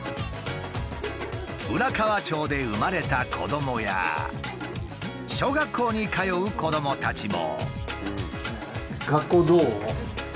浦河町で生まれた子どもや小学校に通う子どもたちも。